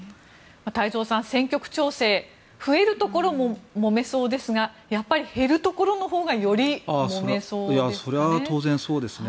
太蔵さん、選挙区調整増えるところももめそうですがやっぱり減るところのほうがよりもめそうですね。